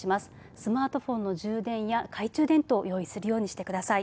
スマートフォンの充電や懐中電灯を用意するようにしてください。